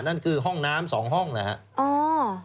นั่นคือห้องน้ำ๒ห้องนะครับ